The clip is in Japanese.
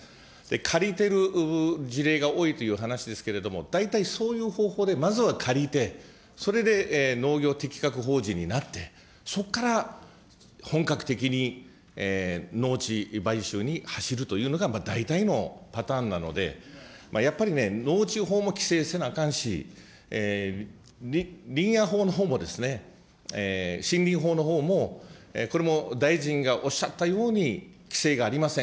借りてる事例が多いという話ですけれども、大体、そういう方法でまずは借りて、それで農業適格法人になって、そこから本格的に農地買収に走るというのが、大体のパターンなので、やっぱりね、農地法も規制せなあかんし、林野法のほうも、森林法のほうも、これも大臣がおっしゃったように規制がありません。